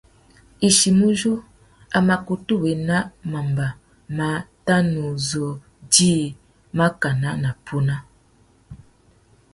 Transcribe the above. Ichimuzú, a mà kutu wena mamba má tà nu zu djï makana na puna.